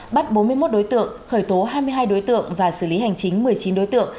bắt bốn mươi một đối tượng khởi tố hai mươi hai đối tượng và xử lý hành chính một mươi chín đối tượng